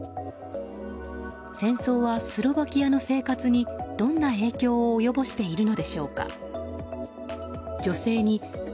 戦争はスロバキアの生活にどんな影響を及ぼしているのでしょうか。